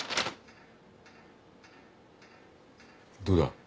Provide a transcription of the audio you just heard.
どうだ。